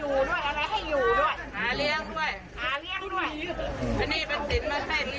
อันนี้เป็นศิลป์มันให้เลี้ยงชีวิตอยู่ด้วย